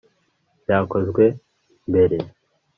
byakozwe mbere